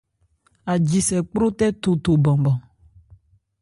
Ajisɛ kpró tɛ thotho banban.